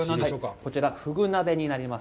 こちら、フグ鍋になります。